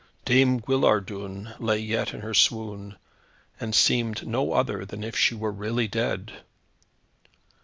Dame Guillardun lay yet in her swoon, and seemed no other than if she were really dead.